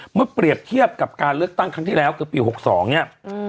เมื่อเปรียบเทียบกับการเลือกตั้งครั้งที่แล้วคือปี๖๒เนี่ย